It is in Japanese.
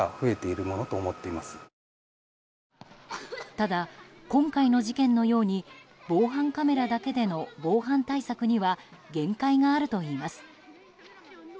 ただ、今回の事件のように防犯カメラだけでの防犯対策には限界があるといいます。